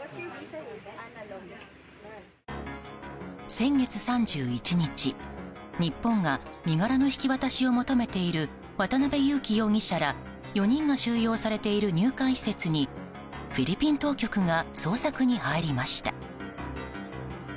先月３１日、日本が身柄の引き渡しを求めている渡邉優樹容疑者ら４人が収容されている入管施設にフィリピン当局が捜索に入りました。